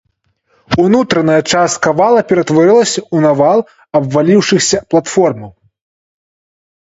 Унутраная частка вала ператварылася ў навал абваліўшыхся платформаў.